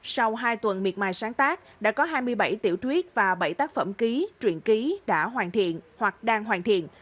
sau hai tuần miệt mài sáng tác đã có hai mươi bảy tiểu thuyết và bảy tác phẩm ký truyện ký đã hoàn thiện hoặc đang hoàn thiện